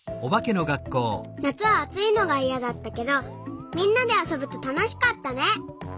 なつはあついのがいやだったけどみんなであそぶとたのしかったね。